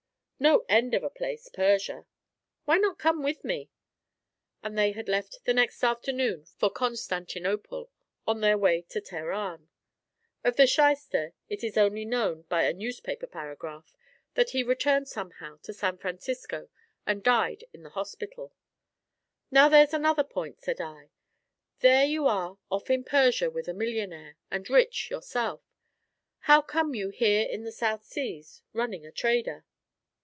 No end of a place, Persia. Why not come with me?" And they had left the next afternoon for Constantinople, on their way to Teheran. Of the shyster, it is only known (by a newspaper paragraph) that he returned somehow to San Francisco and died in the hospital. "Now there's another point," said I. "There you are off to Persia with a millionaire, and rich yourself. How come you here in the South Seas, running a trader?"